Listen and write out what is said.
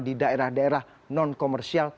di daerah daerah non komersial